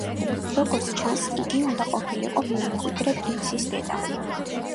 როგორც ჩანს, იგი უნდა ყოფილიყო მემკვიდრე პრინცის დედა.